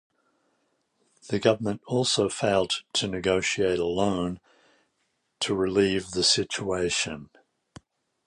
The government also failed to negotiate a loan to relieve the situation.